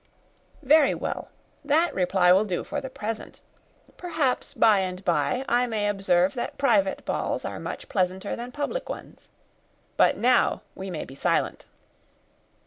"Very well; that reply will do for the present. Perhaps, by and by, I may observe that private balls are much pleasanter than public ones; but now we may be silent."